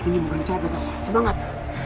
ini bukan coba semangat